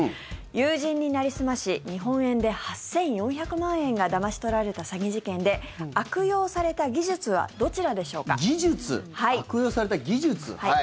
友人になりすまし日本円で８４００万円がだまし取られた詐欺事件で悪用された技術はどちらでしょうか。